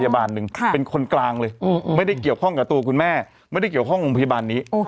แบบหนึ่งคิยคนกลางเลยไอและไม่ได้เกี่ยวข้องกับตัวคุณแม่ไม่ได้มา